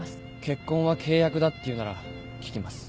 「結婚は契約だ」って言うなら聞きます。